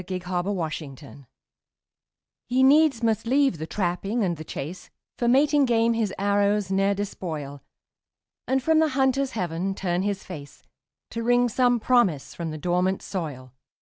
THE INDIAN CORN PLANTER He needs must leave the trapping and the chase, For mating game his arrows ne'er despoil, And from the hunter's heaven turn his face, To wring some promise from the dormant soil.